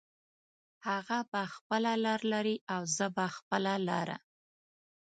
هغه به خپله لار لري او زه به خپله لاره